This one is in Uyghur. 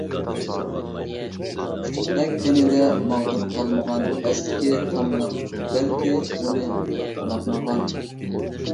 ئۇچقۇدەك تېنىدە ماغدۇر قالمىغان، ئەسكى تاملىق بەلكى ئۇنى باقمىغان.